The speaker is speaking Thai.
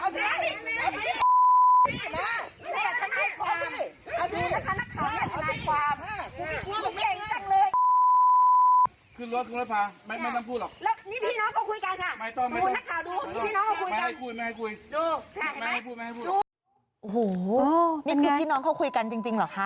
นี่คือพี่น้องเขาคุยกันจริงหรอคะ